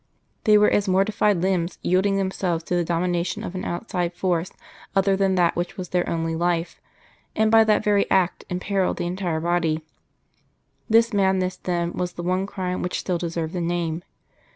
They were as mortified limbs yielding themselves to the domination of an outside force other than that which was their only life, and by that very act imperilled the entire Body. This madness, then, was the one crime which still deserved the name.